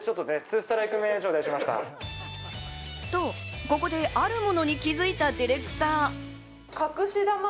と、ここであるものに気づいたディレクター。